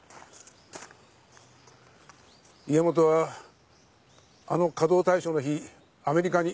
家元はあの華道大賞の日アメリカに。